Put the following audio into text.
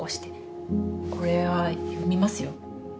これは読みますよ。